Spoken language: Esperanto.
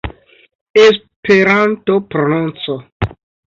Esperanto-prononco